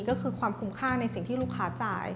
ก็คือความคุ้มค่าในสิ่งที่ลูกค้าจ่าย